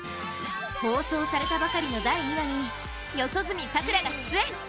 放送されたばかりの第２話に四十住さくらが出演。